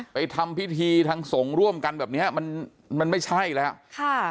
ทำพิธีทางสงฆ์ร่วมกันแบบเนี้ยมันมันไม่ใช่แล้วค่ะ